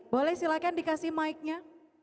boleh silakan dikasih mike nya